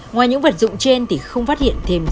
ngoài những vật dụng trên thì không phát hiện thêm dấu vết gì